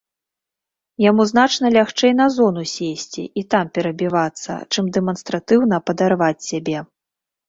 Яму значна лягчэй на зону сесці і там перабівацца, чым дэманстратыўна падарваць сябе.